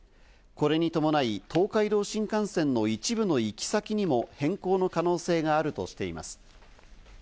これに伴い、東海道新幹線の一部の行き先にも変更の可能性があるとしています。